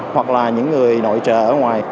hoặc là những người nội trợ ở ngoài